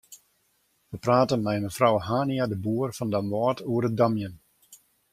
We prate mei mefrou Hania-de Boer fan Damwâld oer it damjen.